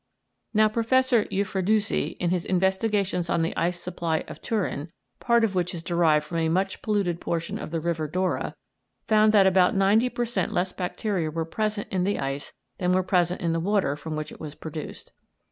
Now Professor Uffreduzzi, in his investigations on the ice supply of Turin, part of which is derived from a much polluted portion of the River Dora, found that about 90 per cent. less bacteria were present in the ice than were present in the water from which it was produced.